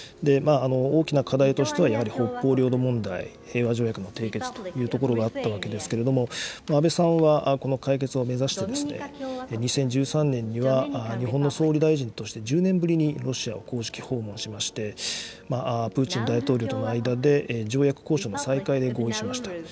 大きな課題としては、やはり北方領土問題、平和条約の締結というところがあったわけですけれども、安倍さんはこの解決を目指して、２０１３年には、日本の総理大臣として１０年ぶりにロシアを公式訪問しまして、プーチン大統領との間で、条約交渉の再開で合意しました。